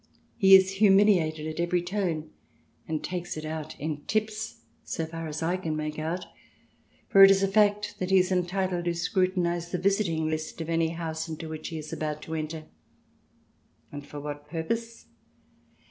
He is humiliated at every turn, and takes it out in tips, so far as I can make out. For it is a fact that he is entitled to scrutinize the visiting list of any house into which he is about to enter. And for what purpose